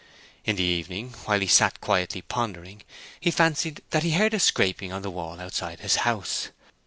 In the evening, while he sat quietly pondering, he fancied that he heard a scraping on the wall outside his house.